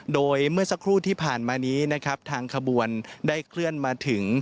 โดยเมื่อสักครู่ที่ผ่านมานี้นะครับทางขบวนได้เคลื่อนมาถึง